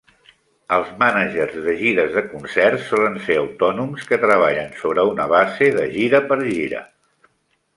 Els mànagers de gires de concerts solen ser autònoms que treballen sobre una base de gira per gira.